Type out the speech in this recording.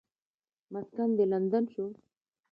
مسکن دې لندن شو.